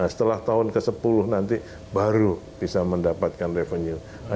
setelah tahun ke sepuluh nanti baru bisa mendapatkan revenue